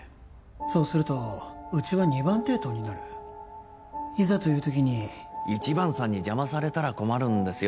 そうするとうちは二番抵当になるいざという時に一番さんに邪魔されたら困るんですよ